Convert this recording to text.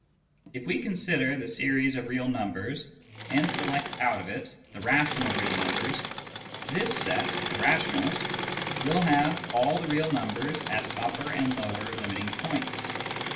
If we consider the series of real numbers, and select out of it the rational real numbers, this set (the rationals) will have all the real numbers as upper and lower limiting points.